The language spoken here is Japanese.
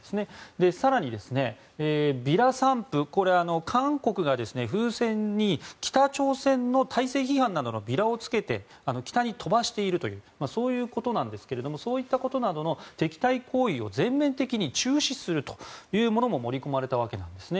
更に、ビラ散布これは韓国が風船に北朝鮮の体制批判などのビラをつけて北に飛ばしているというそういうことなんですがそういったことなどの敵対行為を全面的に中止するというものも盛り込まれたわけなんですね。